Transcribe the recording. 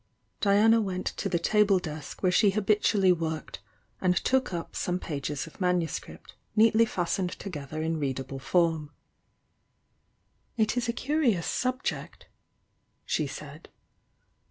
Diana went to the table desk where she habitually worked, and took up some pages of manuscript, neatly fastened together in readable form. "It is a curious subject," she said.